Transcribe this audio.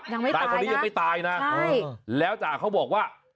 ยังไม่ตายคนนี้ยังไม่ตายนะแล้วจ่าเขาบอกว่า